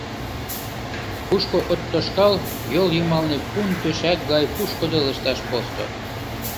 Кушко от тошкал — йол йымалне пун тӧшак гай пушкыдо лышташ посто.